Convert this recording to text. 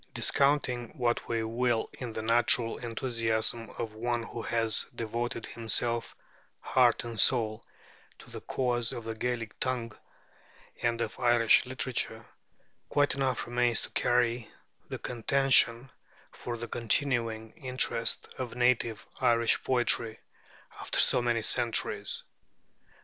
Discounting what we will in the natural enthusiasm of one who has devoted himself heart and soul to the cause of the Gaelic tongue and of Irish literature, quite enough remains to carry the contention for the continuing interest of native Irish poetry after so many centuries.